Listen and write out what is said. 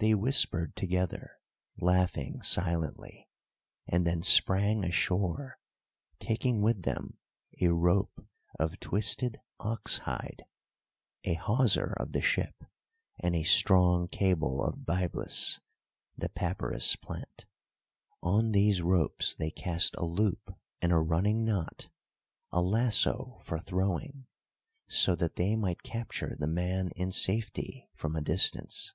They whispered together, laughing silently, and then sprang ashore, taking with them a rope of twisted ox hide, a hawser of the ship, and a strong cable of byblus, the papyrus plant. On these ropes they cast a loop and a running knot, a lasso for throwing, so that they might capture the man in safety from a distance.